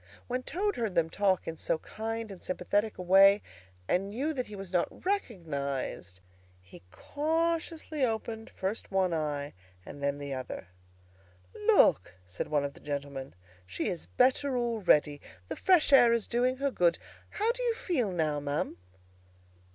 When Toad heard them talk in so kind and sympathetic a way, and knew that he was not recognised, his courage began to revive, and he cautiously opened first one eye and then the other. "Look!" said one of the gentlemen, "she is better already. The fresh air is doing her good. How do you feel now, ma'am?"